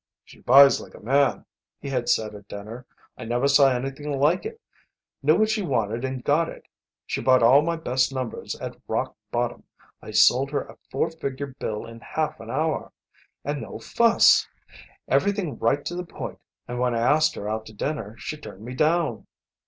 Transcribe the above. "She buys like a man," he had said at dinner. "I never saw anything like it. Knew what she wanted and got it. She bought all my best numbers at rock bottom. I sold her a four figure bill in half an hour. And no fuss. Everything right to the point and when I asked her out to dinner she turned me down.